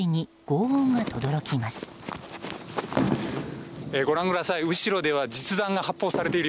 ご覧ください。